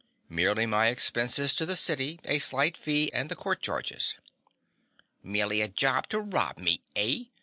"Merely my expenses to the city, a slight fee and the court charges." "Merely a job to rob me, eh?